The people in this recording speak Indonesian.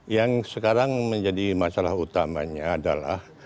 yang sekarang menjadi masalah utamanya adalah